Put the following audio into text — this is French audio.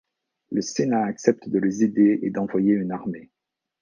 Le Sénat accepte de les aider et d'envoyer une armée.